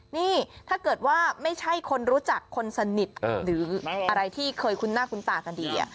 นี่ถ้าเกิดว่าไม่ใช่คนรู้จักคนสนิทหรืออะไรที่เคยคุ้นหน้าคุ้นตากันดี